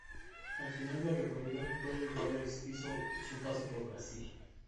Al final del recorrido, Roger Waters hizo su paso por Brasil.